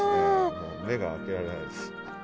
もう目が開けられないです。